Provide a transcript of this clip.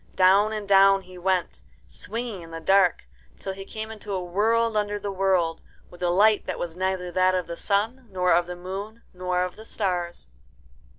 Down and down he went, swinging in the dark, till he came into a world under the world, with a light that was neither that of the sun, nor of the moon, nor of the stars.